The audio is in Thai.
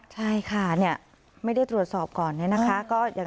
ใช่ค่ะไม่ได้ตรวจสอบก่อนเนี่ยนะคะ